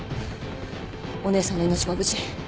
お姉さんの命も無事。